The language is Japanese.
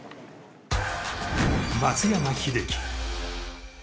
松山英樹。